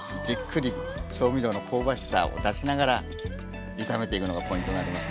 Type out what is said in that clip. じっくり調味料の香ばしさを出しながら炒めていくのがポイントになりますね。